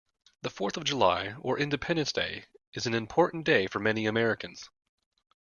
The fourth of July, or Independence Day, is an important day for many Americans.